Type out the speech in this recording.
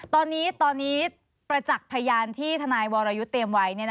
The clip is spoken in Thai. ตอนนี้ประจักษ์พยานที่ทนายวรยุทธ์เตรียมไว้